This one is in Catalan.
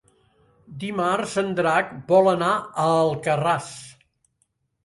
Dimarts en Drac vol anar a Alcarràs.